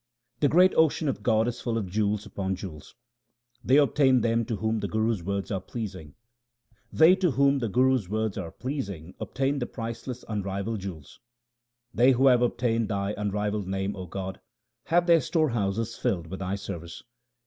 The great ocean of God is full of jewels upon jewels ; They obtain them to whom the Guru's words are pleasing : They to whom the Guru's words are pleasing obtain the priceless unrivalled jewels. They whd have obtained Thy unrivalled name, O God, have their storehouses filled with Thy service.